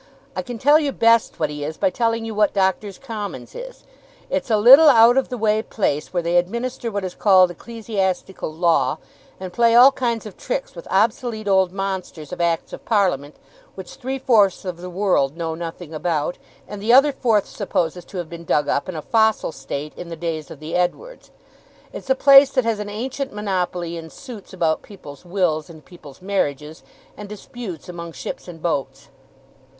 I can tell you best what he is, by telling you what Doctors' Commons is. It's a little out of the way place, where they administer what is called ecclesiastical law, and play all kinds of tricks with obsolete old monsters of acts of Parliament, which three fourths of the world know nothing about, and the other fourth supposes to have been dug up, in a fossil state, in the days of the Edwards. It's a place that has an ancient monopoly in suits about people's wills and people's marriages, and disputes among ships and boats.